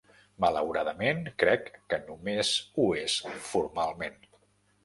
Malauradament, crec que només ho és formalment.